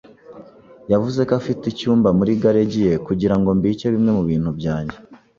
yavuze ko afite icyumba muri garage ye kugirango mbike bimwe mubintu byanjye.